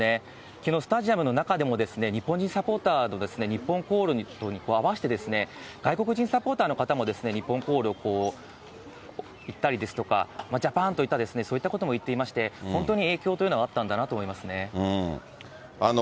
きのう、スタジアムの中でも日本人サポーターの日本コールに合わせて、外国人サポーターの方も日本コールを言ったりですとか、ジャパンといった、そういったことも言っていまして、本当に影響というのはあったんだなと思いますね。